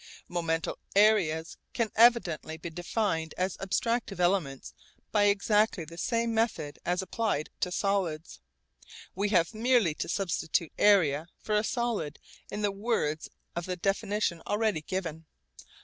Momental areas can evidently be defined as abstractive elements by exactly the same method as applied to solids. We have merely to substitute 'area' for a 'solid' in the words of the definition already given.